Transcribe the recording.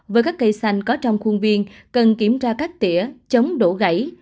với các cây xanh có trong khuôn viên cần kiểm tra các tỉa chống đổ gãy